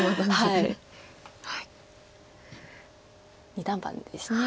二段バネでした。